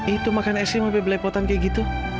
itu makan esnya sampai belepotan kayak gitu